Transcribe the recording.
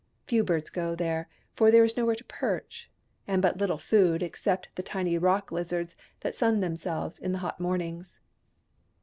Few birds go there, for there is nowhere to perch, and but little food except the tiny rock lizards that sun them selves in the hot mornings.